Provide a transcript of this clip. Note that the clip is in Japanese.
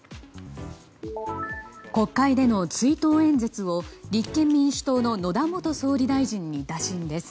国会での追悼演説を立憲民主党の野田元総理大臣に打診です。